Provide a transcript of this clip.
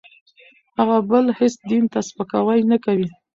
هغه بل هېڅ دین ته سپکاوی نه کوي.